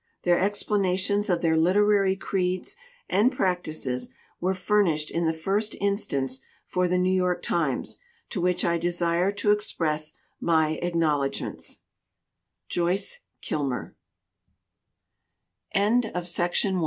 Their explanations of their literary creeds and practices were fur nished in the first instance for the New York Times, to which I desire to express my acknowl e